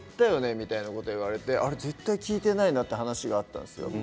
みたいなことを言われて絶対聞いていないなという話があったんです。